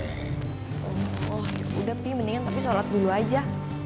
oh yaudah fi mendingan papi sholat dulu aja